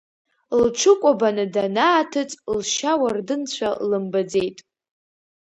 Лҽыкәабаны данааҭыҵ, лшьауардынцәа лымбаӡеит.